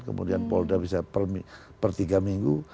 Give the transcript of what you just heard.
kemudian polda bisa per tiga minggu